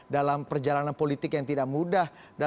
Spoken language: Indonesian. dalam perjalanan politik yang tidak mudah